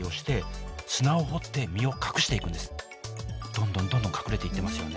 どんどんどんどん隠れていってますよね。